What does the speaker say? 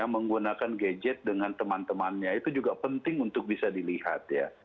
menggunakan gadget dengan teman temannya itu juga penting untuk bisa dilihat ya